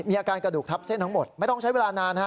มีอาการกระดูกทับเส้นทั้งหมดไม่ต้องใช้เวลานานฮะ